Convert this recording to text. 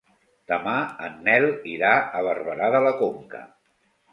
Demà en Nel irà a Barberà de la Conca.